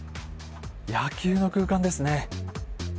野球の空間ですね。